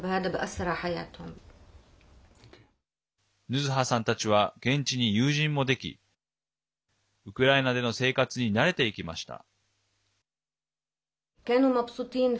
ヌズハさんたちは現地に友人もできウクライナでの生活に慣れていきました。